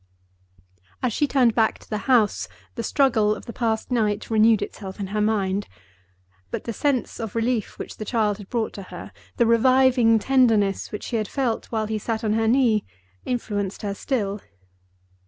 As she turned back to the house, the struggle of the past night renewed itself in her mind. But the sense of relief which the child had brought to her, the reviving tenderness which she had felt while he sat on her knee, influenced her still.